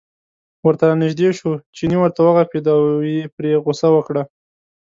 ورته را نژدې شو، چیني ورته و غپېده او یې پرې غوسه وکړه.